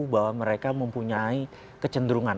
bahwa mereka mempunyai kecenderungan